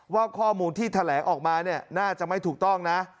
ว่าข้อมูลที่แถลงออกมาเนี่ยน่าจะไม่ถูกต้องนะ